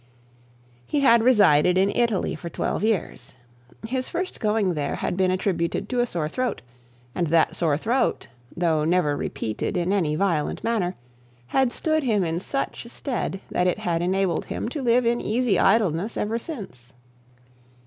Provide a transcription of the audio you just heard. He had resided in Italy for twelve years. His first going there had been attributed to a sore throat; and that sore throat, though never repeated in any violent manner had stood him in such stead, that it had enabled him to live in easy idleness ever since.